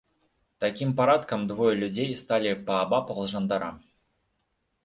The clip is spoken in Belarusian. Такім парадкам двое людзей сталі паабапал жандара.